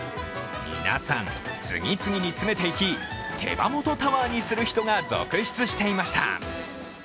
皆さん、次々に詰めていき手羽元タワーにする人が続出していました。